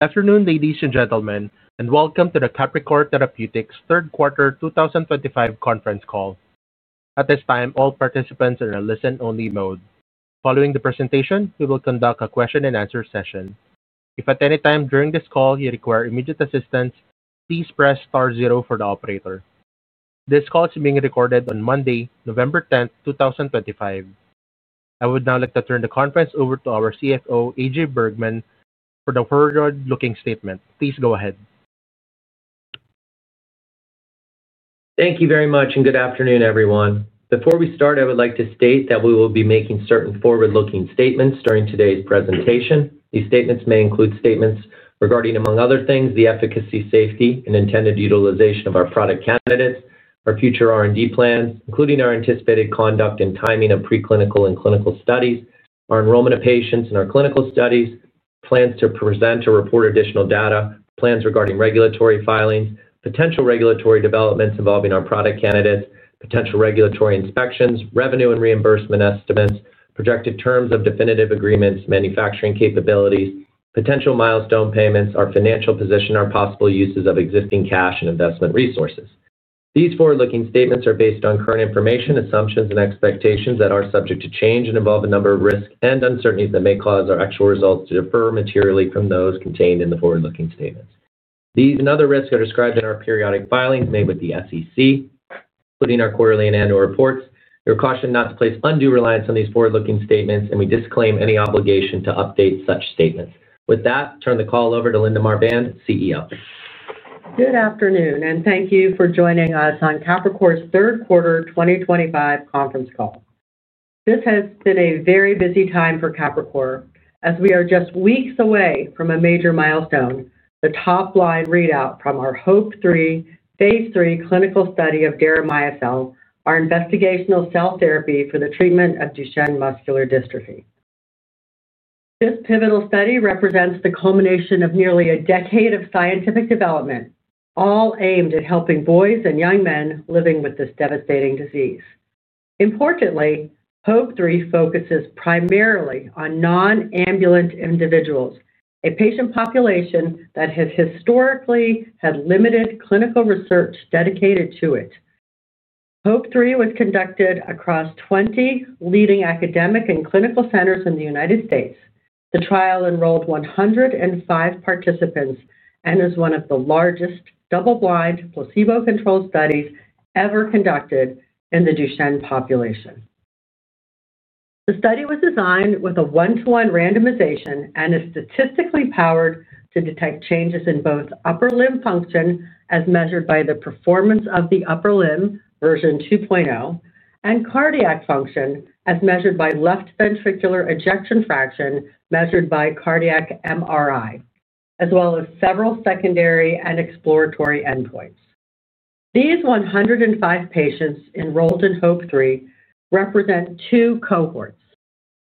Good afternoon, ladies and gentlemen, and welcome to the Capricor Therapeutics Third Quarter 2025 conference call. At this time, all participants are in a listen-only mode. Following the presentation, we will conduct a question-and-answer session. If at any time during this call you require immediate assistance, please press star zero for the operator. This call is being recorded on Monday, November 10th, 2025. I would now like to turn the conference over to our CFO, AJ Bergmann, for the forward-looking statement. Please go ahead. Thank you very much, and good afternoon, everyone. Before we start, I would like to state that we will be making certain forward-looking statements during today's presentation. These statements may include statements regarding, among other things, the efficacy, safety, and intended utilization of our product candidates, our future R&D plans, including our anticipated conduct and timing of preclinical and clinical studies, our enrollment of patients in our clinical studies, plans to present or report additional data, plans regarding regulatory filings, potential regulatory developments involving our product candidates, potential regulatory inspections, revenue and reimbursement estimates, projected terms of definitive agreements, manufacturing capabilities, potential milestone payments, our financial position, our possible uses of existing cash and investment resources. These forward-looking statements are based on current information, assumptions, and expectations that are subject to change and involve a number of risks and uncertainties that may cause our actual results to differ materially from those contained in the forward-looking statements. These and other risks are described in our periodic filings made with the SEC, including our quarterly and annual reports. You are cautioned not to place undue reliance on these forward-looking statements, and we disclaim any obligation to update such statements. With that, I turn the call over to Linda Marbán, CEO. Good afternoon, and thank you for joining us on Capricor's Third Quarter 2025 conference call. This has been a very busy time for Capricor, as we are just weeks away from a major milestone: the top-line readout from our HOPE-3 phase 3 clinical study of Deramiocel, our investigational cell therapy for the treatment of Duchenne muscular dystrophy. This pivotal study represents the culmination of nearly a decade of scientific development, all aimed at helping boys and young men living with this devastating disease. Importantly, HOPE-3 focuses primarily on non-ambulant individuals, a patient population that has historically had limited clinical research dedicated to it. HOPE-3 was conducted across 20 leading academic and clinical centers in the United States. The trial enrolled 105 participants and is one of the largest double-blind placebo-controlled studies ever conducted in the Duchenne population. The study was designed with a one-to-one randomization and is statistically powered to detect changes in both upper limb function, as measured by the Performance of the Upper Limb, version 2.0, and cardiac function, as measured by left ventricular ejection fraction, measured by cardiac MRI, as well as several secondary and exploratory endpoints. These 105 patients enrolled in HOPE-3 represent two cohorts: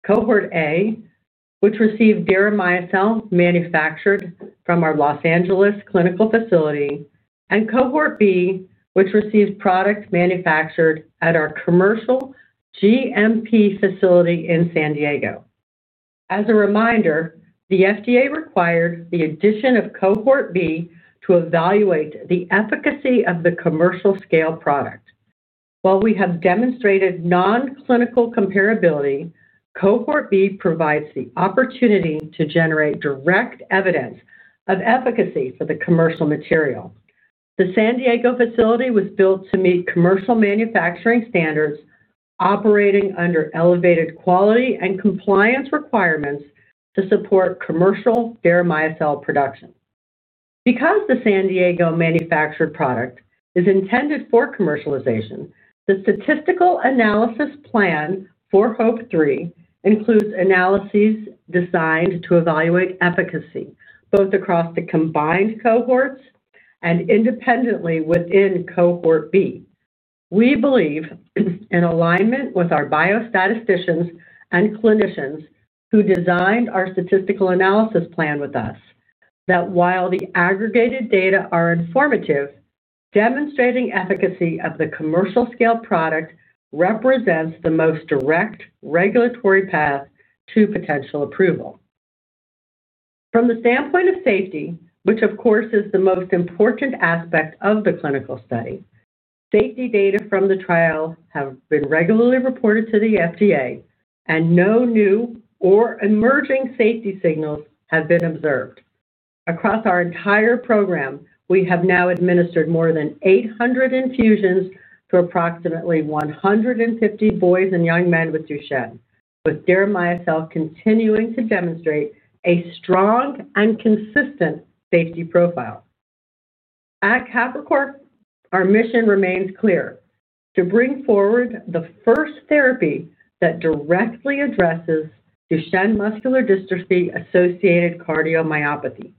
Cohort A, which received Deramiocel manufactured from our Los Angeles clinical facility, and Cohort B, which received product manufactured at our commercial GMP facility in San Diego. As a reminder, the FDA required the addition of Cohort B to evaluate the efficacy of the commercial-scale product. While we have demonstrated non-clinical comparability, Cohort B provides the opportunity to generate direct evidence of efficacy for the commercial material. The San Diego facility was built to meet commercial manufacturing standards, operating under elevated quality and compliance requirements to support commercial Deramiocel production. Because the San Diego manufactured product is intended for commercialization, the statistical analysis plan for HOPE-3 includes analyses designed to evaluate efficacy both across the combined cohorts and independently within Cohort B. We believe, in alignment with our biostatisticians and clinicians who designed our statistical analysis plan with us, that while the aggregated data are informative, demonstrating efficacy of the commercial-scale product represents the most direct regulatory path to potential approval. From the standpoint of safety, which of course is the most important aspect of the clinical study, safety data from the trial have been regularly reported to the FDA, and no new or emerging safety signals have been observed. Across our entire program, we have now administered more than 800 infusions to approximately 150 boys and young men with Duchenne, with Deramiocel continuing to demonstrate a strong and consistent safety profile. At Capricor, our mission remains clear: to bring forward the first therapy that directly addresses Duchenne muscular dystrophy-associated cardiomyopathy.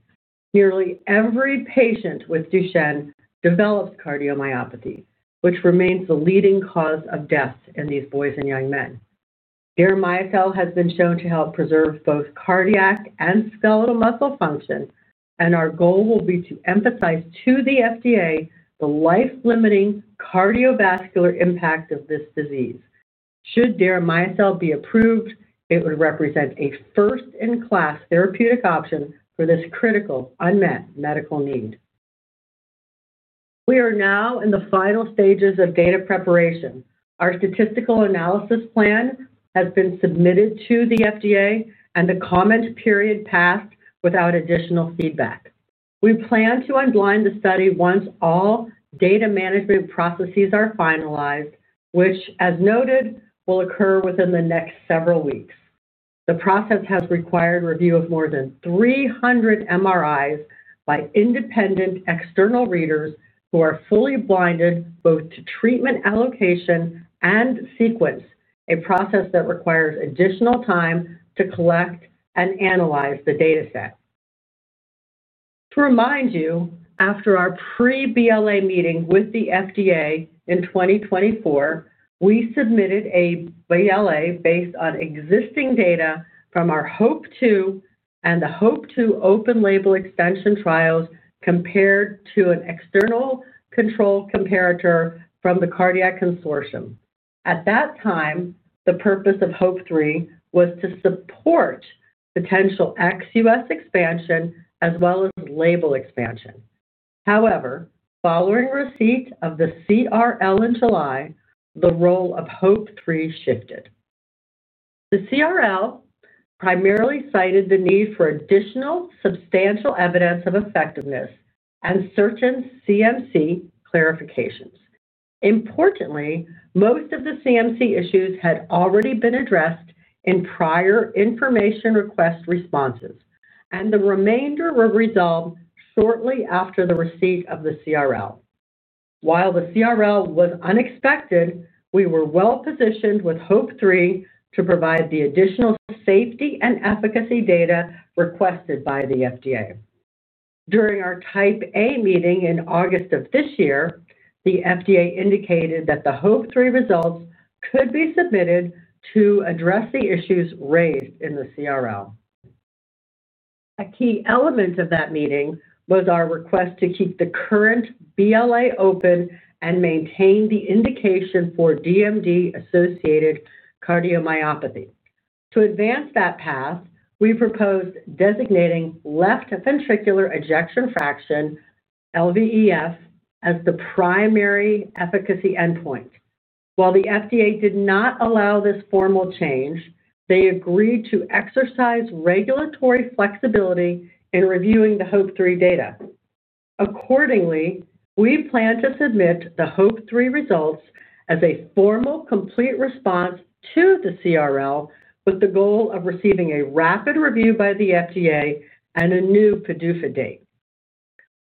Nearly every patient with Duchenne develops cardiomyopathy, which remains the leading cause of death in these boys and young men. Deramiocel has been shown to help preserve both cardiac and skeletal muscle function, and our goal will be to emphasize to the FDA the life-limiting cardiovascular impact of this disease. Should Deramiocel be approved, it would represent a first-in-class therapeutic option for this critical, unmet medical need. We are now in the final stages of data preparation. Our statistical analysis plan has been submitted to the FDA, and the comment period passed without additional feedback. We plan to unblind the study once all data management processes are finalized, which, as noted, will occur within the next several weeks. The process has required review of more than 300 MRIs by independent external readers who are fully blinded both to treatment allocation and sequence, a process that requires additional time to collect and analyze the dataset. To remind you, after our pre-BLA meeting with the FDA in 2024, we submitted a BLA based on existing data from our HOPE-2 and the HOPE-2 open-label expansion trials compared to an external control comparator from the cardiac consortium. At that time, the purpose of HOPE-3 was to support potential XUS expansion as well as label expansion. However, following receipt of the CRL in July, the role of HOPE-3 shifted. The CRL primarily cited the need for additional substantial evidence of effectiveness and certain CMC clarifications. Importantly, most of the CMC issues had already been addressed in prior information request responses, and the remainder were resolved shortly after the receipt of the CRL. While the CRL was unexpected, we were well-positioned with HOPE-3 to provide the additional safety and efficacy data requested by the FDA. During our Type A meeting in August of this year, the FDA indicated that the HOPE-3 results could be submitted to address the issues raised in the CRL. A key element of that meeting was our request to keep the current BLA open and maintain the indication for DMD-associated cardiomyopathy. To advance that path, we proposed designating left ventricular ejection fraction, LVEF, as the primary efficacy endpoint. While the FDA did not allow this formal change, they agreed to exercise regulatory flexibility in reviewing the HOPE-3 data. Accordingly, we plan to submit the HOPE-3 results as a formal complete response to the CRL, with the goal of receiving a rapid review by the FDA and a new PDUFA date.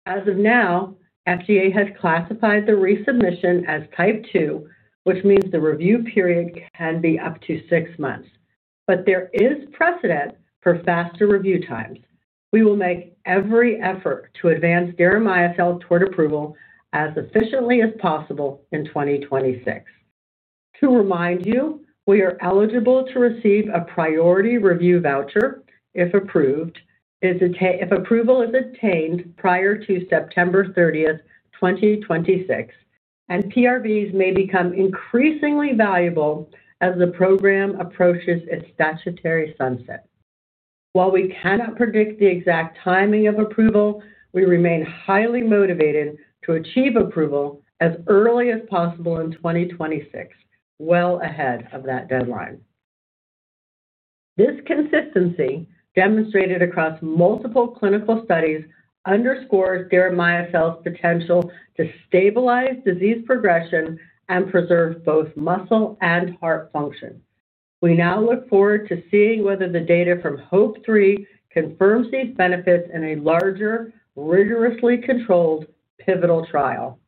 As of now, the FDA has classified the resubmission as Type 2, which means the review period can be up to six months, but there is precedent for faster review times. We will make every effort to advance Deramiocel toward approval as efficiently as possible in 2026. To remind you, we are eligible to receive a priority review voucher if approval is attained prior to September 30, 2026, and PRVs may become increasingly valuable as the program approaches its statutory sunset. While we cannot predict the exact timing of approval, we remain highly motivated to achieve approval as early as possible in 2026, well ahead of that deadline. This consistency, demonstrated across multiple clinical studies, underscores Deramiocel's potential to stabilize disease progression and preserve both muscle and heart function. We now look forward to seeing whether the data from HOPE-3 confirms these benefits in a larger, rigorously controlled pivotal trial.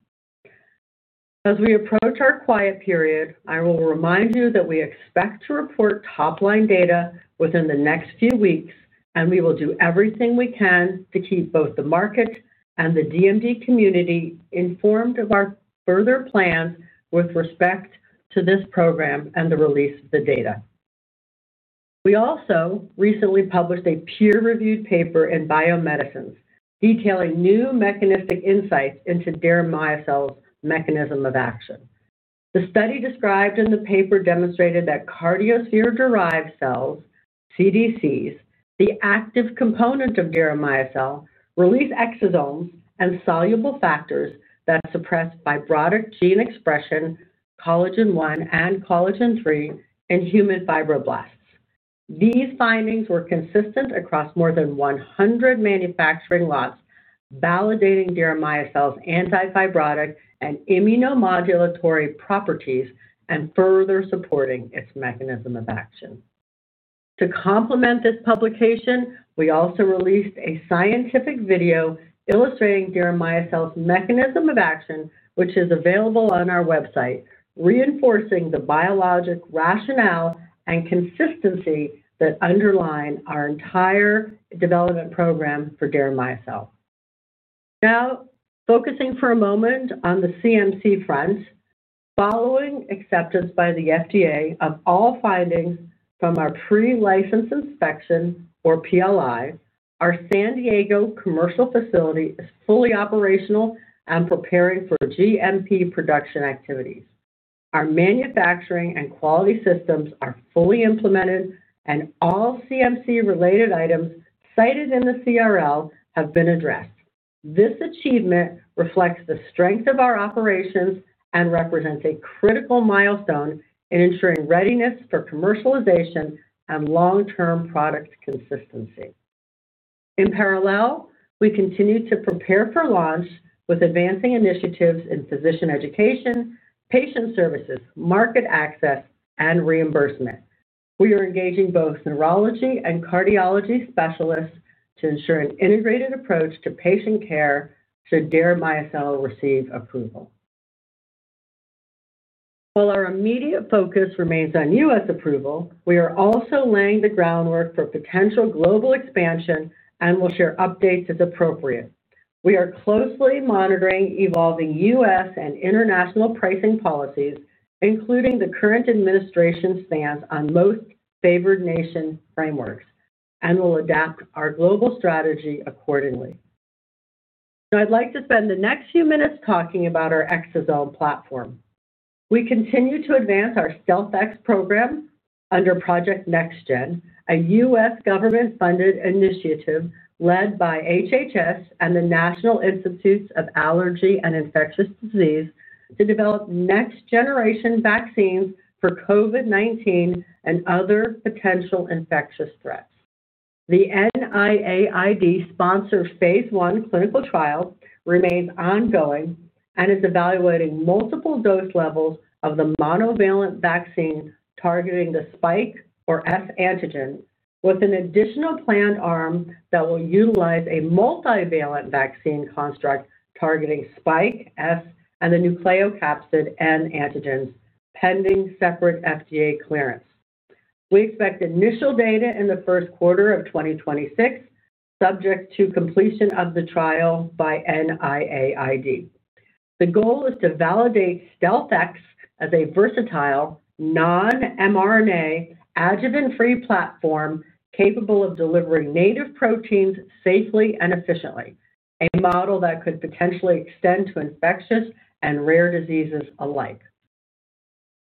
As we approach our quiet period, I will remind you that we expect to report top-line data within the next few weeks, and we will do everything we can to keep both the market and the DMD community informed of our further plans with respect to this program and the release of the data. We also recently published a peer-reviewed paper in Biomedicines detailing new mechanistic insights into Deramiocel's mechanism of action. The study described in the paper demonstrated that cardiosphere-derived cells, CDCs, the active component of Deramiocel, release exosomes and soluble factors that suppress fibrotic gene expression, collagen I and collagen III, in human fibroblasts. These findings were consistent across more than 100 manufacturing lots, validating Deramiocel's antifibrotic and immunomodulatory properties and further supporting its mechanism of action. To complement this publication, we also released a scientific video illustrating Deramiocel's mechanism of action, which is available on our website, reinforcing the biologic rationale and consistency that underline our entire development program for Deramiocel. Now, focusing for a moment on the CMC front, following acceptance by the FDA of all findings from our pre-license inspection, or PLI, our San Diego commercial facility is fully operational and preparing for GMP production activities. Our manufacturing and quality systems are fully implemented, and all CMC-related items cited in the CRL have been addressed. This achievement reflects the strength of our operations and represents a critical milestone in ensuring readiness for commercialization and long-term product consistency. In parallel, we continue to prepare for launch with advancing initiatives in physician education, patient services, market access, and reimbursement. We are engaging both neurology and cardiology specialists to ensure an integrated approach to patient care should Deramiocel receive approval. While our immediate focus remains on U.S. approval, we are also laying the groundwork for potential global expansion and will share updates as appropriate. We are closely monitoring evolving U.S. and international pricing policies, including the current administration's stance on most favored nation frameworks, and will adapt our global strategy accordingly. Now, I'd like to spend the next few minutes talking about our exosome platform. We continue to advance our StealthX program under Project NextGen, a U.S. government-funded initiative led by HHS and the National Institute of Allergy and Infectious Diseases to develop next-generation vaccines for COVID-19 and other potential infectious threats. The NIAID-sponsored phase I clinical trial remains ongoing and is evaluating multiple dose levels of the monovalent vaccine targeting the Spike, or S, antigen, with an additional planned arm that will utilize a multivalent vaccine construct targeting Spike, S, and the nucleocapsid N antigens, pending separate FDA clearance. We expect initial data in the first quarter of 2026, subject to completion of the trial by NIAID. The goal is to validate StealthX as a versatile, non-mRNA, adjuvant-free platform capable of delivering native proteins safely and efficiently, a model that could potentially extend to infectious and rare diseases alike.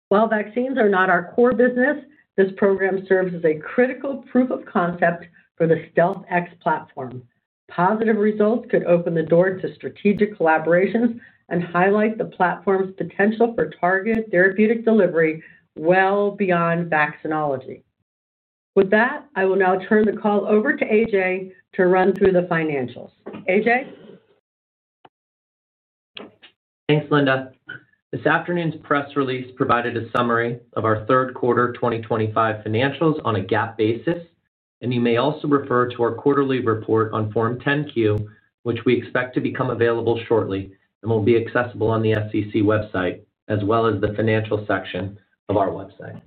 While vaccines are not our core business, this program serves as a critical proof of concept for the StealthX platform. Positive results could open the door to strategic collaborations and highlight the platform's potential for targeted therapeutic delivery well beyond vaccinology. With that, I will now turn the call over to AJ to run through the financials. AJ? Thanks, Linda. This afternoon's press release provided a summary of our Third Quarter 2025 Financials on a GAAP basis, and you may also refer to our quarterly report on Form 10-Q, which we expect to become available shortly and will be accessible on the SEC website, as well as the financials section of our website.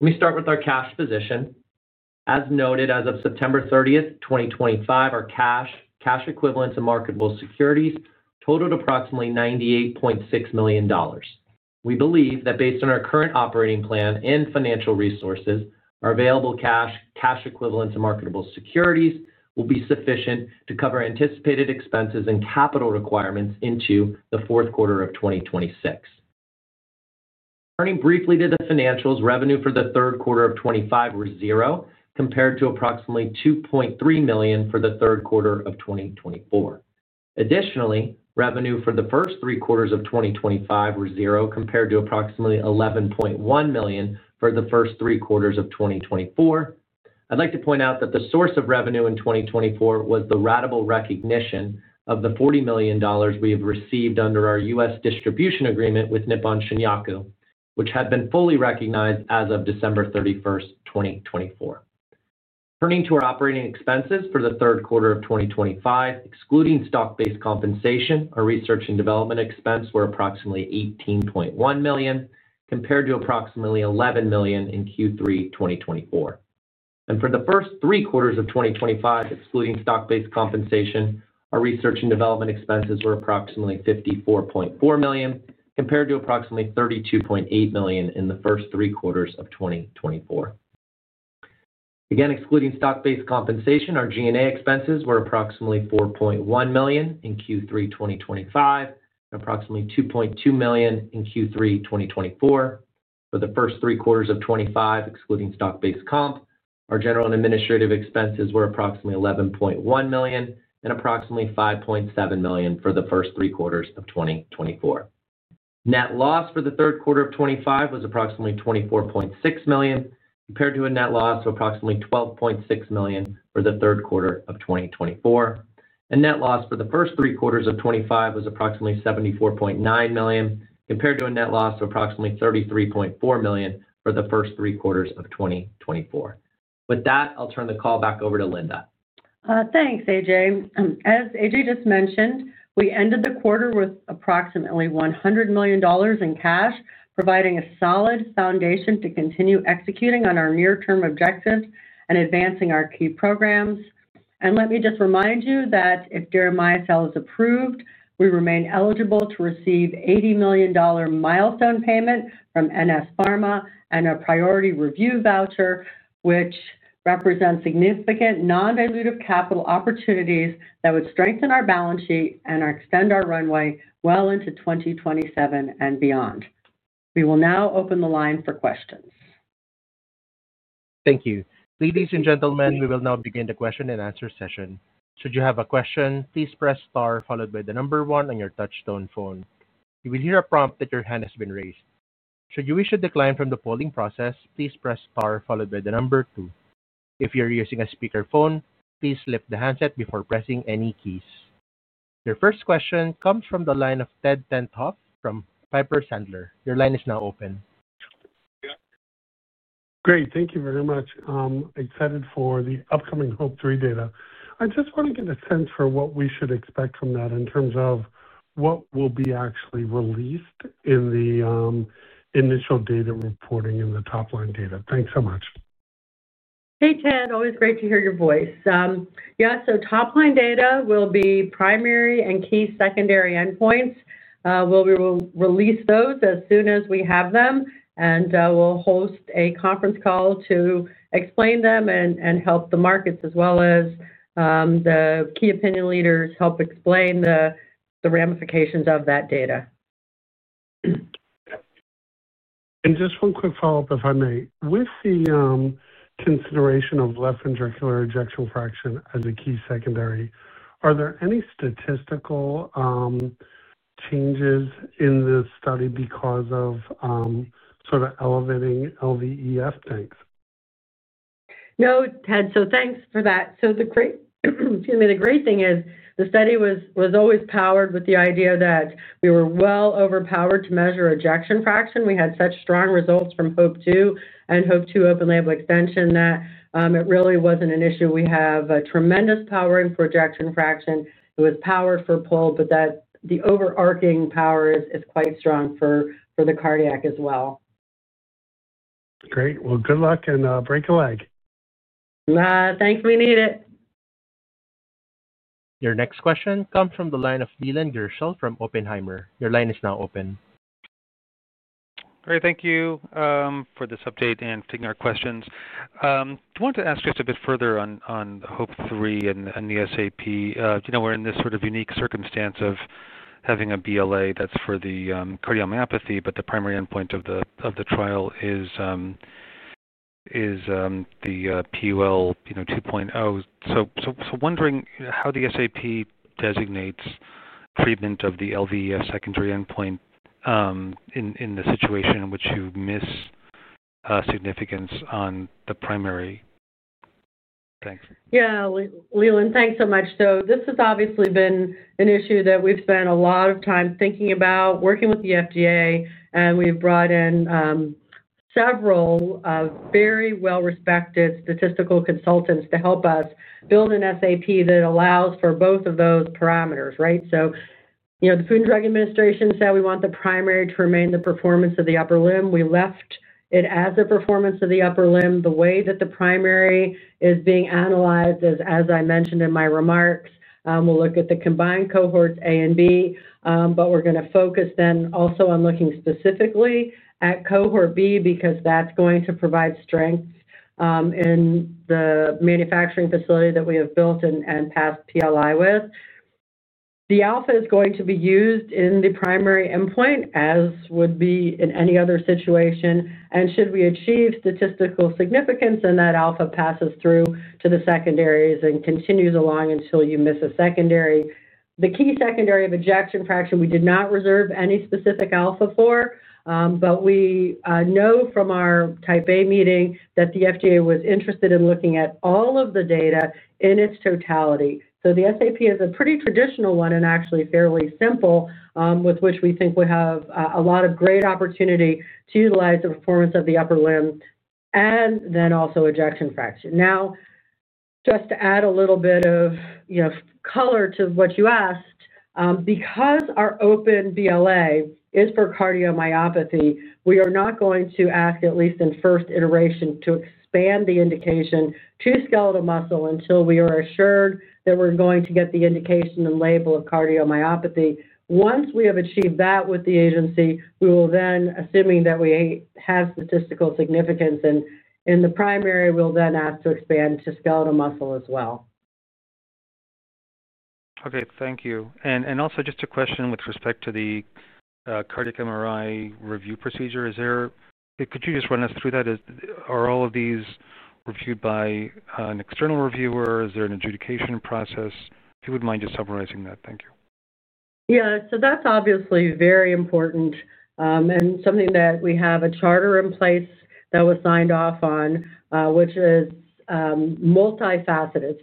Let me start with our cash position. As noted, as of September 30, 2025, our cash, cash equivalents, and marketable securities totaled approximately $98.6 million. We believe that based on our current operating plan and financial resources, our available cash, cash equivalents, and marketable securities will be sufficient to cover anticipated expenses and capital requirements into the fourth quarter of 2026. Turning briefly to the financials, revenue for the third quarter of 2025 was zero, compared to approximately $2.3 million for the third quarter of 2024. Additionally, revenue for the first three quarters of 2025 was zero, compared to approximately $11.1 million for the first three quarters of 2024. I'd like to point out that the source of revenue in 2024 was the ratable recognition of the $40 million we have received under our U.S. distribution agreement with Nippon Shinyaku, which had been fully recognized as of December 31, 2024. Turning to our operating expenses for the third quarter of 2025, excluding stock-based compensation, our research and development expenses were approximately $18.1 million, compared to approximately $11 million in Q3 2024. For the first three quarters of 2025, excluding stock-based compensation, our research and development expenses were approximately $54.4 million, compared to approximately $32.8 million in the first three quarters of 2024. Again, excluding stock-based compensation, our G&A expenses were approximately $4.1 million in Q3 2025, approximately $2.2 million in Q3 2024. For the first three quarters of 2025, excluding stock-based comp, our general and administrative expenses were approximately $11.1 million and approximately $5.7 million for the first three quarters of 2024. Net loss for the third quarter of 2025 was approximately $24.6 million, compared to a net loss of approximately $12.6 million for the third quarter of 2024. Net loss for the first three quarters of 2025 was approximately $74.9 million, compared to a net loss of approximately $33.4 million for the first three quarters of 2024. With that, I'll turn the call back over to Linda. Thanks, AJ. As AJ just mentioned, we ended the quarter with approximately $100 million in cash, providing a solid foundation to continue executing on our near-term objectives and advancing our key programs. Let me just remind you that if Deramiocel is approved, we remain eligible to receive $80 million milestone payment from NS Pharma and a priority review voucher, which represents significant non-dilutive capital opportunities that would strengthen our balance sheet and extend our runway well into 2027 and beyond. We will now open the line for questions. Thank you. Ladies and gentlemen, we will now begin the question and answer session. Should you have a question, please press Star, followed by the number one on your touchstone phone. You will hear a prompt that your hand has been raised. Should you wish to decline from the polling process, please press Star, followed by the number two. If you're using a speakerphone, please lift the handset before pressing any keys. Your first question comes from the line of Ted Tenthoff from Piper Sandler. Your line is now open. Great. Thank you very much. I'm excited for the upcoming HOPE-3 data. I just want to get a sense for what we should expect from that in terms of what will be actually released in the initial data reporting and the top-line data. Thanks so much. Hey, Ted. Always great to hear your voice. Yeah, top-line data will be primary and key secondary endpoints. We'll release those as soon as we have them, and we'll host a conference call to explain them and help the markets, as well as the key opinion leaders help explain the ramifications of that data. Just one quick follow-up, if I may. With the consideration of left ventricular ejection fraction as a key secondary, are there any statistical changes in this study because of sort of elevating LVEF things? No, Ted, thanks for that. The great—excuse me—the great thing is the study was always powered with the idea that we were well overpowered to measure ejection fraction. We had such strong results from HOPE-2 and HOPE-2 open-label extension that it really was not an issue. We have a tremendous power for ejection fraction. It was powered for PUL, but the overarching power is quite strong for the cardiac as well. Great. Good luck and break a leg. Thanks. We need it. Your next question comes from the line of Leland Gershell from Oppenheimer. Your line is now open. Great. Thank you for this update and taking our questions. I want to ask just a bit further on HOPE-3 and the SAP. We're in this sort of unique circumstance of having a BLA that's for the cardiomyopathy, but the primary endpoint of the trial is the PUL 2.0. So wondering how the SAP designates treatment of the LVEF secondary endpoint in the situation in which you miss significance on the primary. Thanks. Yeah, Leland, thanks so much. This has obviously been an issue that we've spent a lot of time thinking about, working with the FDA, and we've brought in several very well-respected statistical consultants to help us build an SAP that allows for both of those parameters, right? The FDA said we want the primary to remain the performance of the upper limb. We left it as a performance of the upper limb. The way that the primary is being analyzed is, as I mentioned in my remarks, we'll look at the combined cohorts, A and B, but we're going to focus then also on looking specifically at cohort B because that's going to provide strength in the manufacturing facility that we have built and passed PLI with. The alpha is going to be used in the primary endpoint, as would be in any other situation. Should we achieve statistical significance and that alpha passes through to the secondaries and continues along until you miss a secondary, the key secondary of ejection fraction, we did not reserve any specific alpha for, but we know from our Type A meeting that the FDA was interested in looking at all of the data in its totality. The SAP is a pretty traditional one and actually fairly simple, with which we think we have a lot of great opportunity to utilize the performance of the upper limb and then also ejection fraction. Now, just to add a little bit of color to what you asked, because our open BLA is for cardiomyopathy, we are not going to ask, at least in first iteration, to expand the indication to skeletal muscle until we are assured that we are going to get the indication and label of cardiomyopathy. Once we have achieved that with the agency, we will then, assuming that we have statistical significance in the primary, then ask to expand to skeletal muscle as well. Okay. Thank you. Also, just a question with respect to the cardiac MRI review procedure. Could you just run us through that? Are all of these reviewed by an external reviewer? Is there an adjudication process? If you wouldn't mind just summarizing that. Thank you. Yeah. That's obviously very important and something that we have a charter in place that was signed off on, which is multifaceted.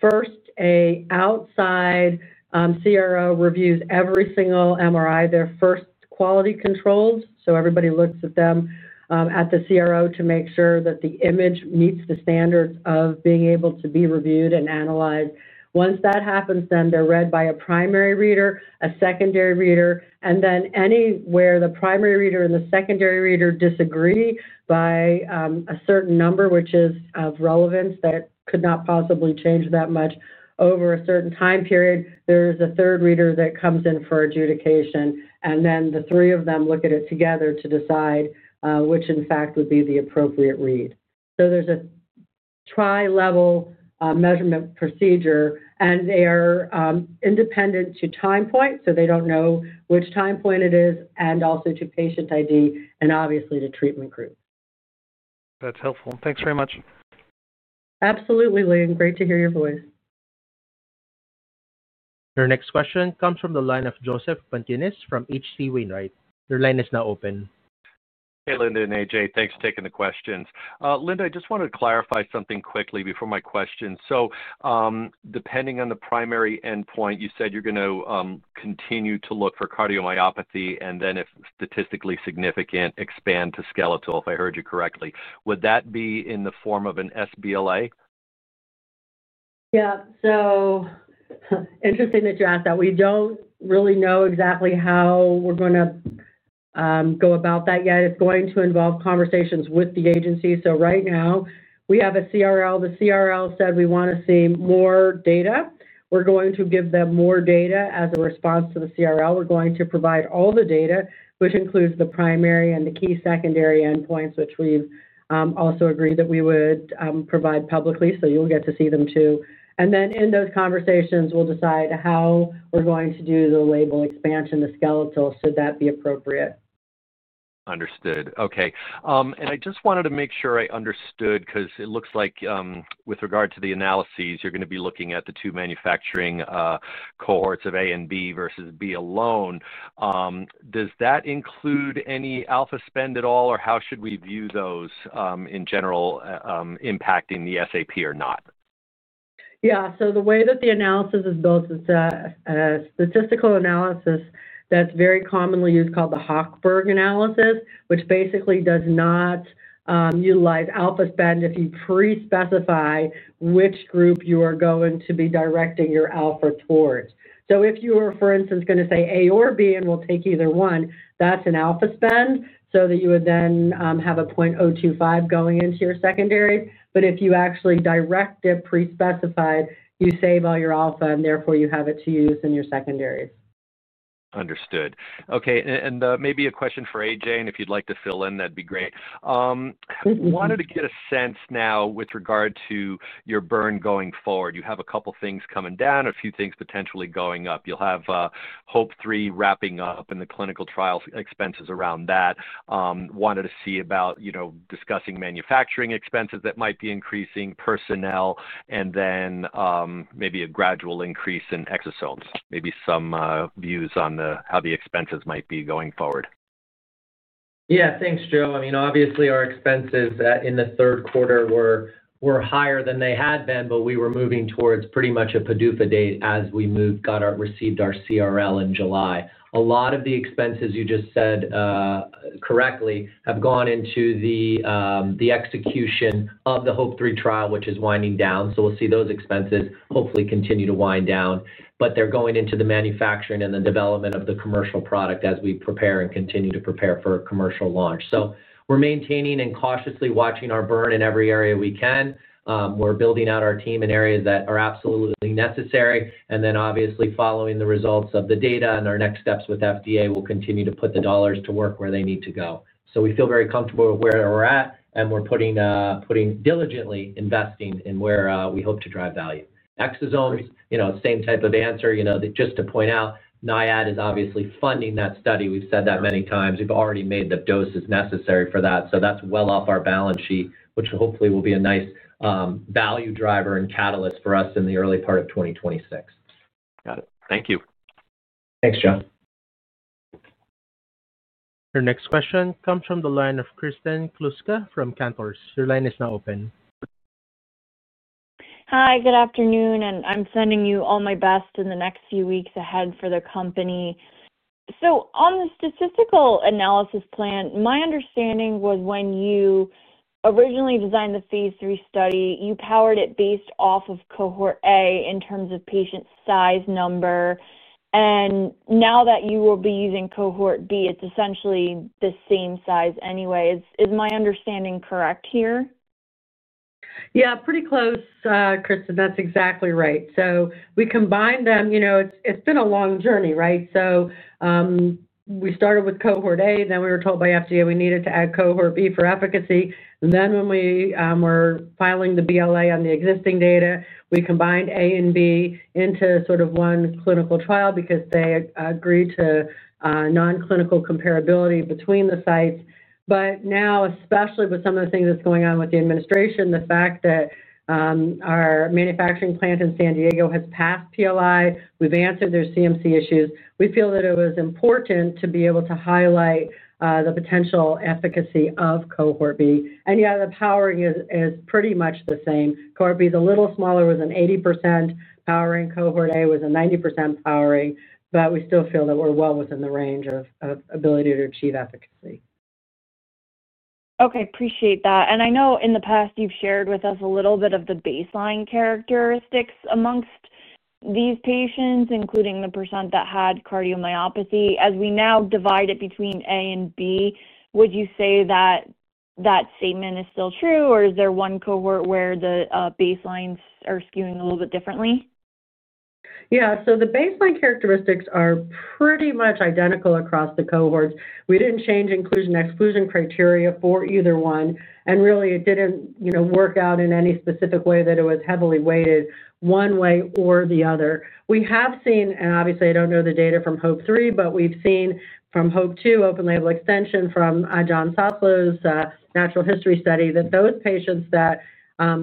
First, an outside CRO reviews every single MRI, their first quality controls. Everybody looks at them at the CRO to make sure that the image meets the standards of being able to be reviewed and analyzed. Once that happens, then they're read by a primary reader, a secondary reader, and then anywhere the primary reader and the secondary reader disagree by a certain number, which is of relevance that could not possibly change that much over a certain time period, there is a third reader that comes in for adjudication, and then the three of them look at it together to decide which, in fact, would be the appropriate read. There is a tri-level measurement procedure, and they are independent to time point, so they don't know which time point it is, and also to patient ID, and obviously to treatment group. That's helpful. Thanks very much. Absolutely, Leland. Great to hear your voice. Your next question comes from the line of Joseph Pantginis from H.C. Wainwright. Your line is now open. Hey, Linda and AJ, thanks for taking the questions. Linda, I just want to clarify something quickly before my question. So depending on the primary endpoint, you said you're going to continue to look for cardiomyopathy, and then if statistically significant, expand to skeletal, if I heard you correctly. Would that be in the form of an SBLA? Yeah. So interesting that you asked that. We do not really know exactly how we're going to go about that yet. It is going to involve conversations with the agency. Right now, we have a CRL. The CRL said we want to see more data. We are going to give them more data as a response to the CRL. We are going to provide all the data, which includes the primary and the key secondary endpoints, which we have also agreed that we would provide publicly. You will get to see them too. In those conversations, we'll decide how we're going to do the label expansion to skeletal should that be appropriate. Understood. Okay. I just wanted to make sure I understood because it looks like with regard to the analyses, you're going to be looking at the two manufacturing cohorts of A and B versus B alone. Does that include any alpha spend at all, or how should we view those in general impacting the SAP or not? Yeah. The way that the analysis is built is a statistical analysis that's very commonly used called the Hochberg analysis, which basically does not utilize alpha spend if you pre-specify which group you are going to be directing your alpha towards. If you were, for instance, going to say A or B and will take either one, that's an alpha spend so that you would then have a 0.025 going into your secondary. If you actually direct it pre-specified, you save all your alpha, and therefore you have it to use in your secondaries. Understood. Okay. Maybe a question for AJ, and if you'd like to fill in, that'd be great. Wanted to get a sense now with regard to your burn going forward. You have a couple of things coming down or a few things potentially going up. You'll have HOPE-3 wrapping up and the clinical trial expenses around that. Wanted to see about discussing manufacturing expenses that might be increasing, personnel, and then maybe a gradual increase in exosomes. Maybe some views on how the expenses might be going forward. Yeah. Thanks, Joe. I mean, obviously, our expenses in the third quarter were higher than they had been, but we were moving towards pretty much a PDUFA date as we received our CRL in July. A lot of the expenses you just said correctly have gone into the execution of the HOPE-3 trial, which is winding down. We will see those expenses hopefully continue to wind down, but they are going into the manufacturing and the development of the commercial product as we prepare and continue to prepare for commercial launch. We are maintaining and cautiously watching our burn in every area we can. We are building out our team in areas that are absolutely necessary. Obviously, following the results of the data and our next steps with FDA, we will continue to put the dollars to work where they need to go. So we feel very comfortable with where we're at, and we're diligently investing in where we hope to drive value. Exosomes, same type of answer. Just to point out, NIAID is obviously funding that study. We've said that many times. We've already made the doses necessary for that. So that's well off our balance sheet, which hopefully will be a nice value driver and catalyst for us in the early part of 2026. Got it. Thank you. Thanks, Joe. Your next question comes from the line of Kristen Kluska from Cantors. Your line is now open. Hi. Good afternoon. I'm sending you all my best in the next few weeks ahead for the company. On the statistical analysis plan, my understanding was when you originally designed the phase 3 study, you powered it based off of cohort A in terms of patient size, number. Now that you will be using cohort B, it is essentially the same size anyway. Is my understanding correct here? Yeah. Pretty close, Kristen. That is exactly right. We combined them. It has been a long journey, right? We started with cohort A, then we were told by FDA we needed to add cohort B for efficacy. When we were filing the BLA on the existing data, we combined A and B into sort of one clinical trial because they agreed to non-clinical comparability between the sites. Especially with some of the things that are going on with the administration, the fact that our manufacturing plant in San Diego has passed PLI, we have answered their CMC issues, we feel that it was important to be able to highlight the potential efficacy of cohort B. Yeah, the powering is pretty much the same. Cohort B is a little smaller, was an 80% powering, cohort A was a 90% powering, but we still feel that we're well within the range of ability to achieve efficacy. Okay. Appreciate that. I know in the past you've shared with us a little bit of the baseline characteristics amongst these patients, including the % that had cardiomyopathy. As we now divide it between A and B, would you say that that statement is still true, or is there one cohort where the baselines are skewing a little bit differently? Yeah. The baseline characteristics are pretty much identical across the cohorts. We did not change inclusion/exclusion criteria for either one. It did not work out in any specific way that it was heavily weighted one way or the other. We have seen, and obviously, I don't know the data from HOPE-3, but we've seen from HOPE-2, open label extension from John Soslo's natural history study, that those patients that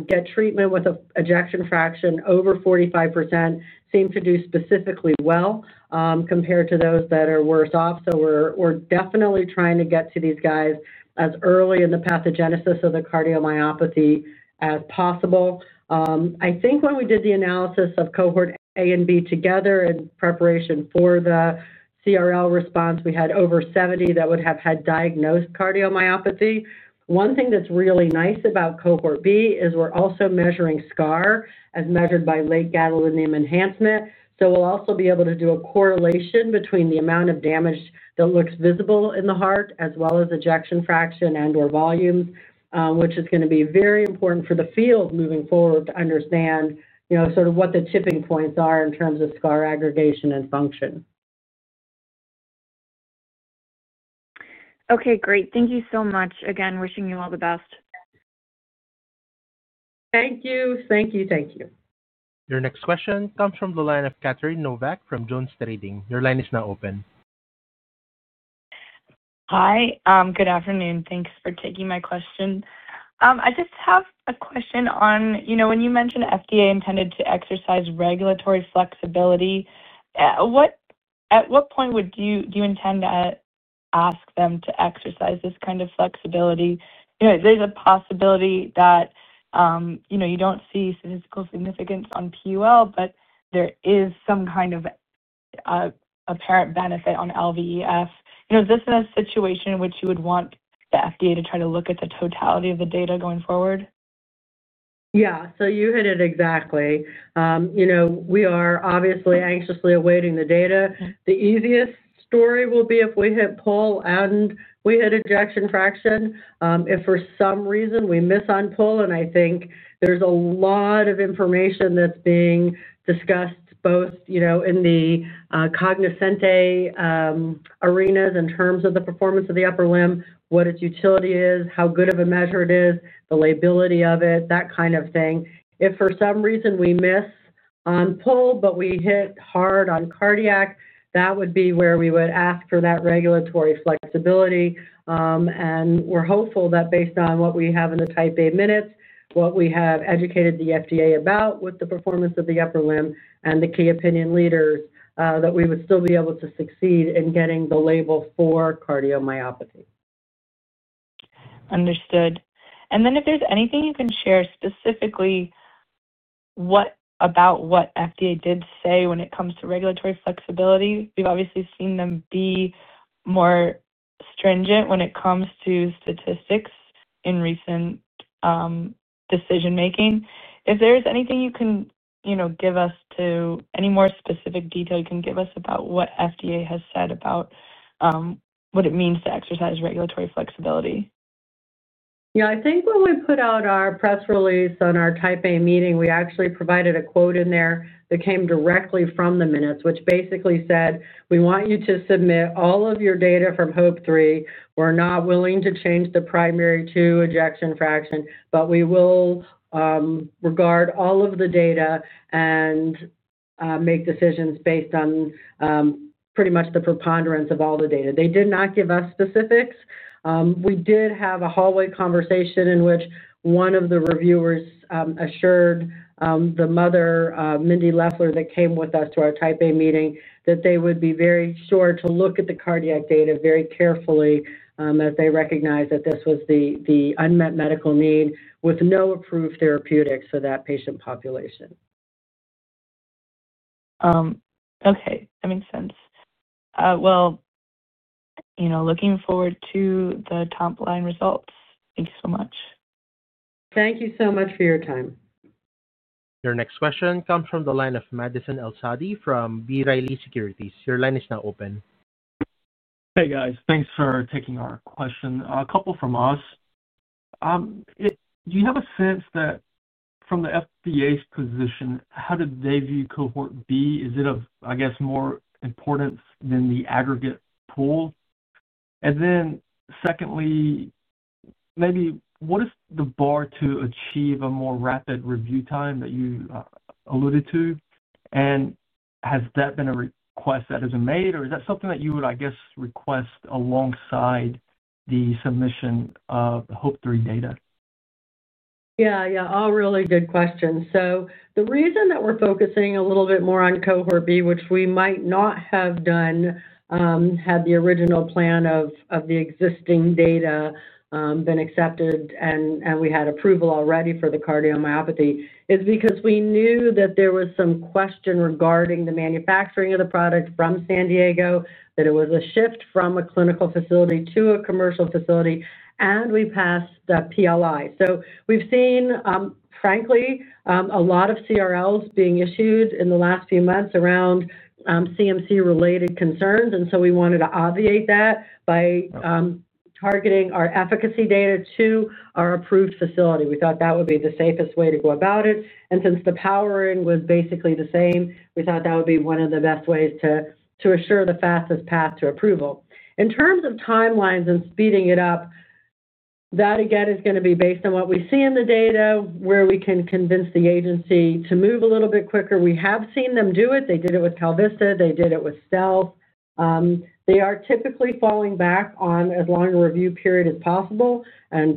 get treatment with an ejection fraction over 45% seem to do specifically well compared to those that are worse off. We are definitely trying to get to these guys as early in the pathogenesis of the cardiomyopathy as possible. I think when we did the analysis of Cohort A and B together in preparation for the CRL response, we had over 70 that would have had diagnosed cardiomyopathy. One thing that's really nice about Cohort B is we are also measuring scar as measured by late gadolinium enhancement. We'll also be able to do a correlation between the amount of damage that looks visible in the heart as well as ejection fraction and/or volumes, which is going to be very important for the field moving forward to understand sort of what the tipping points are in terms of scar aggregation and function. Okay. Great. Thank you so much. Again, wishing you all the best. Thank you. Thank you. Thank you. Your next question comes from the line of Catherine Novack from Jones Trading. Your line is now open. Hi. Good afternoon. Thanks for taking my question. I just have a question on when you mentioned FDA intended to exercise regulatory flexibility, at what point do you intend to ask them to exercise this kind of flexibility? There's a possibility that you don't see statistical significance on PUL, but there is some kind of apparent benefit on LVEF. Is this in a situation in which you would want the FDA to try to look at the totality of the data going forward? Yeah. You hit it exactly. We are obviously anxiously awaiting the data. The easiest story will be if we hit PUL and we hit ejection fraction. If for some reason we miss on PUL, and I think there is a lot of information that is being discussed both in the cognizant arenas in terms of the performance of the upper limb, what its utility is, how good of a measure it is, the liability of it, that kind of thing. If for some reason we miss on PUL, but we hit hard on cardiac, that would be where we would ask for that regulatory flexibility. We are hopeful that based on what we have in the type A minutes, what we have educated the FDA about with the performance of the upper limb and the key opinion leaders, we would still be able to succeed in getting the label for cardiomyopathy. Understood. If there is anything you can share specifically about what FDA did say when it comes to regulatory flexibility, we have obviously seen them be more stringent when it comes to statistics in recent decision-making. If there is any more specific detail you can give us about what FDA has said about what it means to exercise regulatory flexibility. Yeah. I think when we put out our press release on our type A meeting, we actually provided a quote in there that came directly from the minutes, which basically said, "We want you to submit all of your data from HOPE-3. We're not willing to change the primary to ejection fraction, but we will regard all of the data and make decisions based on pretty much the preponderance of all the data." They did not give us specifics. We did have a hallway conversation in which one of the reviewers assured the mother, Mindy Leffler, that came with us to our type A meeting that they would be very sure to look at the cardiac data very carefully as they recognize that this was the unmet medical need with no approved therapeutics for that patient population. Okay. That makes sense. Looking forward to the top-line results. Thank you so much. Thank you so much for your time. Your next question comes from the line of Madison El-Saadi from B. Riley Securities. Your line is now open. Hey, guys. Thanks for taking our question. A couple from us. Do you have a sense that from the FDA's position, how do they view cohort B? Is it, I guess, more important than the aggregate pool? And then secondly, maybe what is the bar to achieve a more rapid review time that you alluded to? And has that been a request that has been made, or is that something that you would, I guess, request alongside the submission of HOPE-3 data? Yeah. Yeah. All really good questions. The reason that we're focusing a little bit more on cohort B, which we might not have done had the original plan of the existing data been accepted and we had approval already for the cardiomyopathy, is because we knew that there was some question regarding the manufacturing of the product from San Diego, that it was a shift from a clinical facility to a commercial facility, and we passed the PLI. We've seen, frankly, a lot of CRLs being issued in the last few months around CMC-related concerns. We wanted to obviate that by targeting our efficacy data to our approved facility. We thought that would be the safest way to go about it. Since the powering was basically the same, we thought that would be one of the best ways to assure the fastest path to approval. In terms of timelines and speeding it up, that, again, is going to be based on what we see in the data, where we can convince the agency to move a little bit quicker. We have seen them do it. They did it with KalVista. They did it with StealthX. They are typically falling back on as long a review period as possible.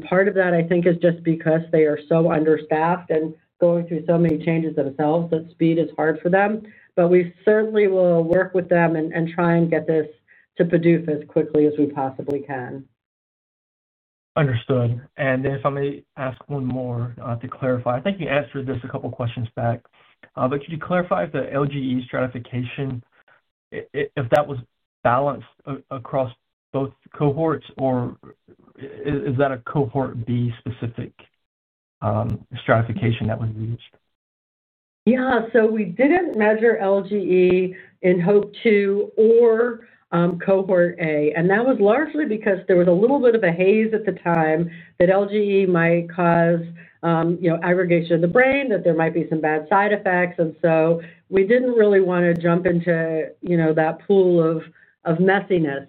Part of that, I think, is just because they are so understaffed and going through so many changes themselves that speed is hard for them. We certainly will work with them and try and get this to PDUFA as quickly as we possibly can. Understood. If I may ask one more to clarify, I think you answered this a couple of questions back, but could you clarify if the LGE stratification, if that was balanced across both cohorts, or is that a cohort B-specific stratification that was used? Yeah. We did not measure LGE in HOPE-2 or cohort A. That was largely because there was a little bit of a haze at the time that LGE might cause aggregation of the brain, that there might be some bad side effects. We did not really want to jump into that pool of messiness.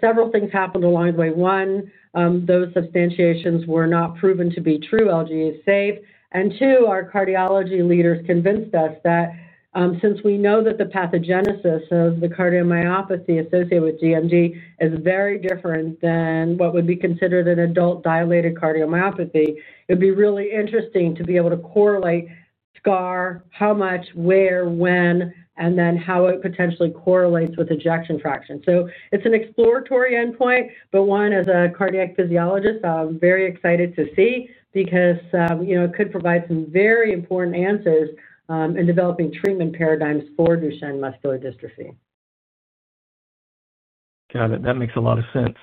Several things happened along the way. One, those substantiations were not proven to be true, LGE is safe. Our cardiology leaders convinced us that since we know that the pathogenesis of the cardiomyopathy associated with DMD is very different than what would be considered an adult dilated cardiomyopathy, it would be really interesting to be able to correlate scar, how much, where, when, and then how it potentially correlates with ejection fraction. It is an exploratory endpoint, but one, as a cardiac physiologist, I'm very excited to see because it could provide some very important answers in developing treatment paradigms for Duchenne muscular dystrophy. Got it. That makes a lot of sense.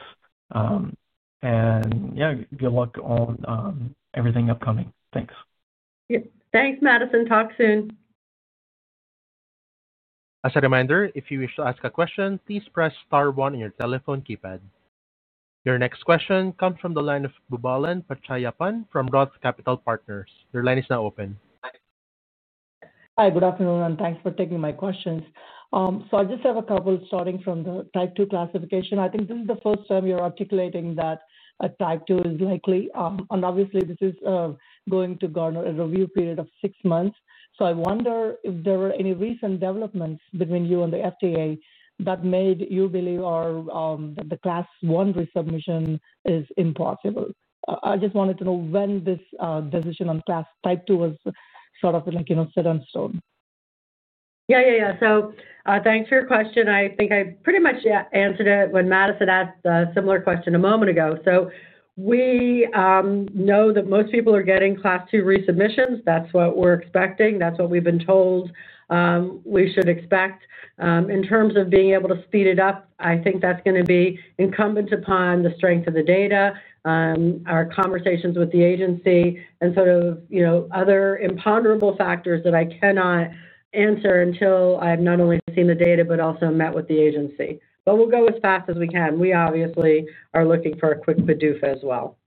Yeah, good luck on everything upcoming. Thanks. Thanks, Madison. Talk soon. As a reminder, if you wish to ask a question, please press star one on your telephone keypad. Your next question comes from the line of Boobalan Pachaiyappan from Roth Capital Partners. Your line is now open. Hi. Good afternoon, and thanks for taking my questions. I just have a couple starting from the type 2 classification. I think this is the first time you're articulating that type 2 is likely. Obviously, this is going to garner a review period of six months. I wonder if there were any recent developments between you and the FDA that made you believe that the class one resubmission is impossible. I just wanted to know when this decision on class type 2 was sort of set in stone. Yeah. Thanks for your question. I think I pretty much answered it when Madison asked a similar question a moment ago. We know that most people are getting class two resubmissions. That's what we're expecting. That's what we've been told we should expect. In terms of being able to speed it up, I think that's going to be incumbent upon the strength of the data, our conversations with the agency, and sort of other imponderable factors that I cannot answer until I've not only seen the data but also met with the agency. We'll go as fast as we can. We obviously are looking for a quick PDUFA as well.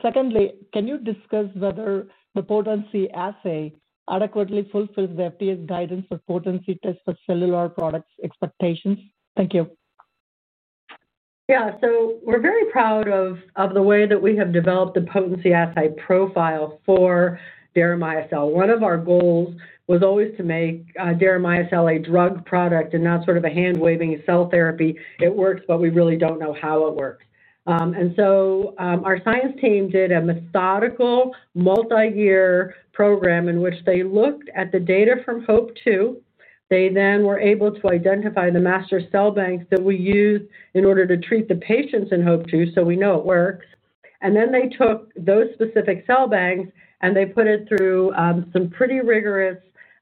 Secondly, can you discuss whether the potency assay adequately fulfills the FDA's guidance for potency tests for cellular products expectations? Thank you. Yeah. We're very proud of the way that we have developed the potency assay profile for Deramiocel. One of our goals was always to make Deramiocel a drug product and not sort of a hand-waving cell therapy. It works, but we really don't know how it works. Our science team did a methodical multi-year program in which they looked at the data from HOPE-2. They then were able to identify the master cell banks that we use in order to treat the patients in HOPE-2 so we know it works. They took those specific cell banks and put it through some pretty rigorous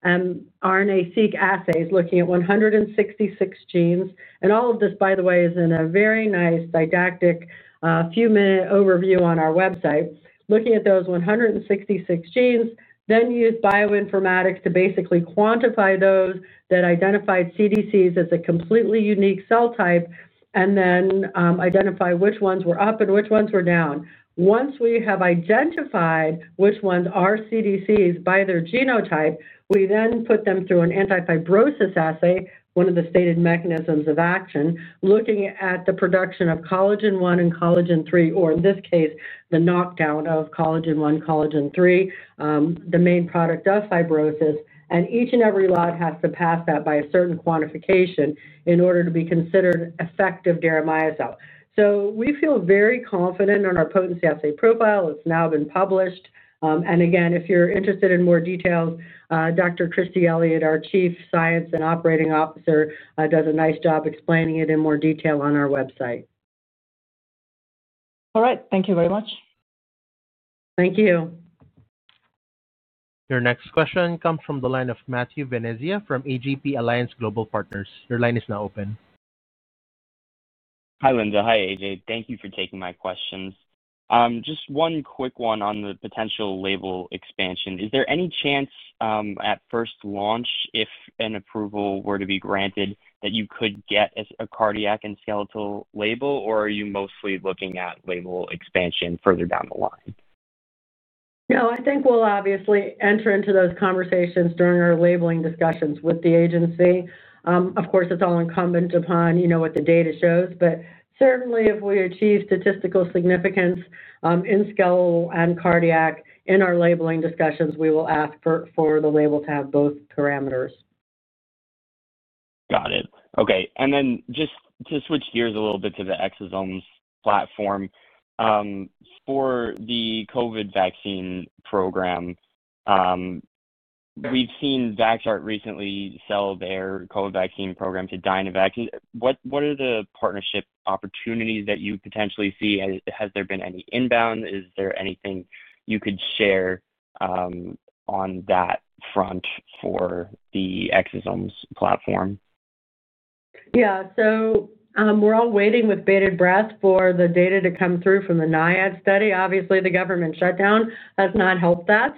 RNA-seq assays looking at 166 genes. All of this, by the way, is in a very nice didactic few-minute overview on our website. Looking at those 166 genes, they then use bioinformatics to basically quantify those that identified CDCs as a completely unique cell type and then identify which ones were up and which ones were down. Once we have identified which ones are CDCs by their genotype, we then put them through an anti-fibrosis assay, one of the stated mechanisms of action, looking at the production of collagen I and collagen III, or in this case, the knockdown of collagen I, collagen III, the main product of fibrosis. Each and every lot has to pass that by a certain quantification in order to be considered effective Deramiocel. We feel very confident on our potency assay profile. It has now been published. If you're interested in more details, Dr. Christy Elliott, our Chief Science and Operating Officer, does a nice job explaining it in more detail on our website. All right. Thank you very much. Thank you. Your next question comes from the line of Matthew Venezia from AGP Alliance Global Partners. Your line is now open. Hi, Linda. Hi, AJ. Thank you for taking my questions. Just one quick one on the potential label expansion. Is there any chance at first launch, if an approval were to be granted, that you could get a cardiac and skeletal label, or are you mostly looking at label expansion further down the line? Yeah. I think we'll obviously enter into those conversations during our labeling discussions with the agency. Of course, it's all incumbent upon what the data shows. But certainly, if we achieve statistical significance in skeletal and cardiac in our labeling discussions, we will ask for the label to have both parameters. Got it. Okay. And then just to switch gears a little bit to the Exosomes platform, for the COVID vaccine program, we've seen VaxArt recently sell their COVID vaccine program to Dynavac. What are the partnership opportunities that you potentially see? Has there been any inbound? Is there anything you could share on that front for the Exosomes platform? Yeah. We are all waiting with bated breath for the data to come through from the NIAID study. Obviously, the government shutdown has not helped that.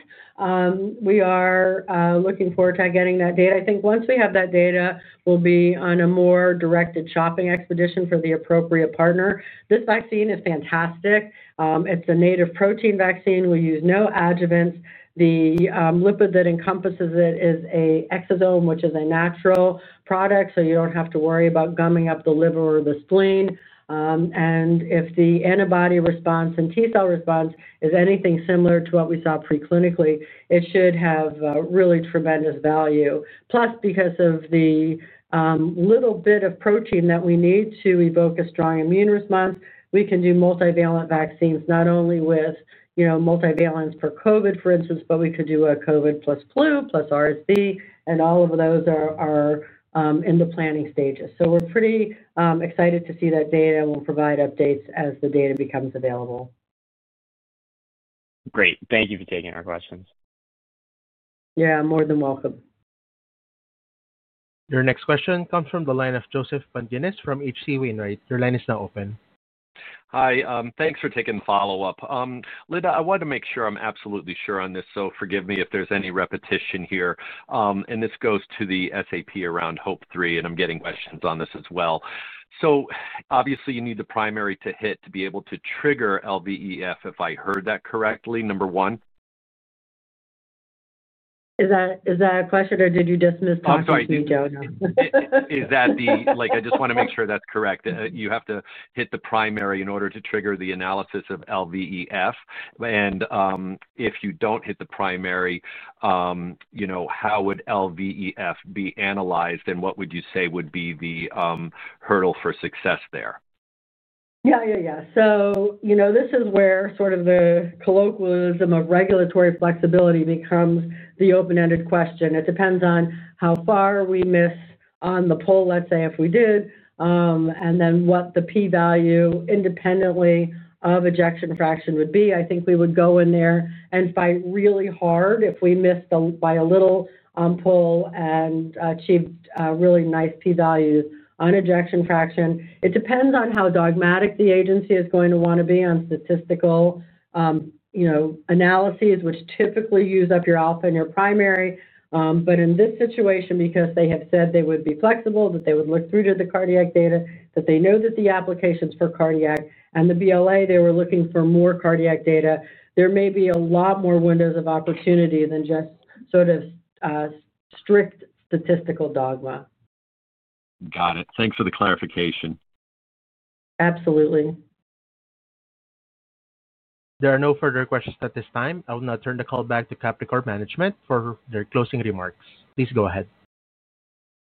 We are looking forward to getting that data. I think once we have that data, we will be on a more directed shopping expedition for the appropriate partner. This vaccine is fantastic. It is a native protein vaccine. We use no adjuvants. The lipid that encompasses it is an exosome, which is a natural product, so you do not have to worry about gumming up the liver or the spleen. If the antibody response and T-cell response is anything similar to what we saw preclinically, it should have really tremendous value. Plus, because of the little bit of protein that we need to evoke a strong immune response, we can do multivalent vaccines, not only with multivalence for COVID, for instance, but we could do a COVID plus flu plus RSV. All of those are in the planning stages. We are pretty excited to see that data, and we'll provide updates as the data becomes available. Great. Thank you for taking our questions. Yeah. More than welcome. Your next question comes from the line of Joseph Pantginis from H.C. Wainwright. Your line is now open. Hi. Thanks for taking the follow-up. Linda, I wanted to make sure I'm absolutely sure on this, so forgive me if there's any repetition here. This goes to the SAP around HOPE-3, and I'm getting questions on this as well. Obviously, you need the primary to hit to be able to trigger LVEF, if I heard that correctly, number one. Is that a question, or did you just mis-toxicate me? Oh, I'm sorry. Is that the—I just want to make sure that's correct. You have to hit the primary in order to trigger the analysis of LVEF. If you do not hit the primary, how would LVEF be analyzed, and what would you say would be the hurdle for success there? Yeah. Yeah. Yeah. This is where sort of the colloquialism of regulatory flexibility becomes the open-ended question. It depends on how far we miss on the pull, let's say, if we did, and then what the p-value independently of ejection fraction would be. I think we would go in there and fight really hard if we missed by a little pull and achieved really nice p-values on ejection fraction. It depends on how dogmatic the agency is going to want to be on statistical analyses, which typically use up your alpha and your primary. In this situation, because they have said they would be flexible, that they would look through to the cardiac data, that they know that the applications for cardiac and the BLA, they were looking for more cardiac data, there may be a lot more windows of opportunity than just sort of strict statistical dogma. Got it. Thanks for the clarification. Absolutely. There are no further questions at this time. I will now turn the call back to Capricor Management for their closing remarks. Please go ahead.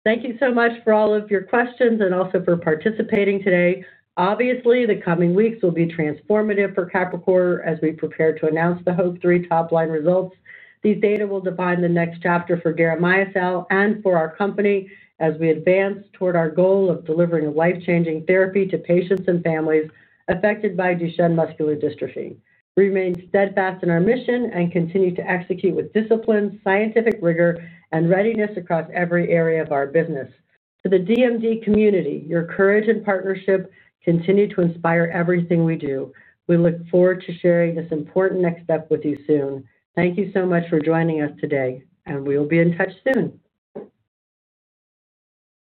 Thank you so much for all of your questions and also for participating today. Obviously, the coming weeks will be transformative for Capricor as we prepare to announce the HOPE-3 top-line results. These data will define the next chapter for Deramiocel and for our company as we advance toward our goal of delivering life-changing therapy to patients and families affected by Duchenne muscular dystrophy. Remain steadfast in our mission and continue to execute with discipline, scientific rigor, and readiness across every area of our business. To the DMD community, your courage and partnership continue to inspire everything we do. We look forward to sharing this important next step with you soon. Thank you so much for joining us today, and we will be in touch soon.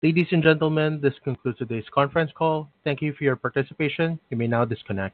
Ladies and gentlemen, this concludes today's conference call. Thank you for your participation. You may now disconnect.